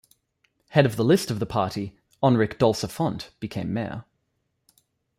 Head of the list of the party, Enric Dolsa Font became mayor.